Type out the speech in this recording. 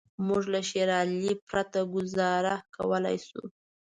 موږ له شېر علي پرته ګوزاره کولای شو.